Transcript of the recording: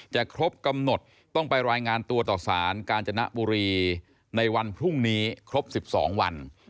ครบกำหนดต้องไปรายงานตัวต่อสารกาญจนบุรีในวันพรุ่งนี้ครบ๑๒วัน